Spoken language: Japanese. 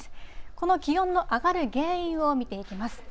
この気温の上がる原因を見ていきます。